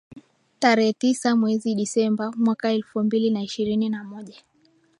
tarehe tisa mwezi Disemba mwaka elfu mbili na ishirini na moja